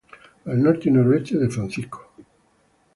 Al norte y noroeste de Fco.